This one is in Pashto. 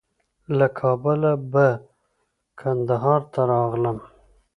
له کابله به کندهار ته راغلم.